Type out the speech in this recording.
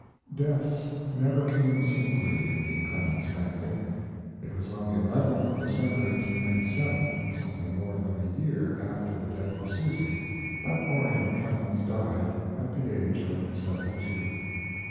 Deaths never came singly in the Clemens family. It was on the 11th of December, 1897, something more than a year after the death of Susy, that Orion Clemens died, at the age of seventy two.